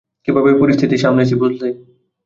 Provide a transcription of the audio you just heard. কীভাবে পরিস্থিতি সামলেছি বুঝলে?